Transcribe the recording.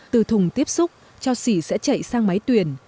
từ thùng tiếp xúc cho xỉ sẽ chạy sang máy tuyển